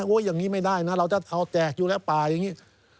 อย่างนี้ไม่ได้นะเราจะเทาแจกอยู่แล้วป่าอย่างนี้